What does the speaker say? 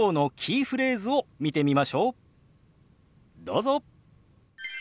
どうぞ。